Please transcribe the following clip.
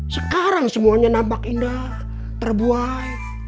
sekarang semuanya nampak indah terbuai